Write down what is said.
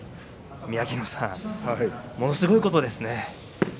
宮城野さんものすごいことですね。